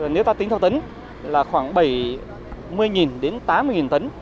nếu ta tính theo tấn là khoảng bảy mươi đến tám mươi tấn